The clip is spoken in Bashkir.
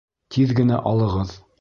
Тиҙ генә алығыҙ!